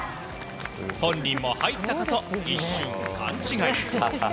本人も入ったかと一瞬勘違い。